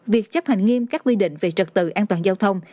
việc chấp hành nghiêm các quy định về trật tự an toàn giao thông